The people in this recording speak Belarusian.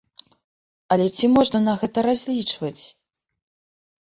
Але ці можна на гэта разлічваць?